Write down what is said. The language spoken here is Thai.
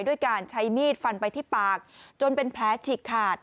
ด้วยการใช้มีดฟันไปที่ปากจนเป็นแผลฉีกขาด